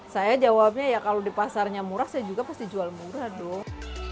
saya jawabnya ya kalau di pasarnya murah saya juga pasti jual murah dong